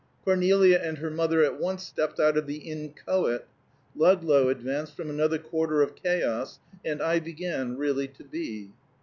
Cornelia and her mother at once stepped out of the inchoate; Ludlow advanced from another quarter of Chaos, and I began really to be.